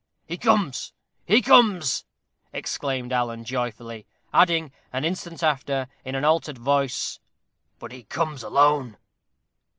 "He comes he comes!" exclaimed Alan, joyfully; adding, an instant after, in an altered voice, "but he comes alone."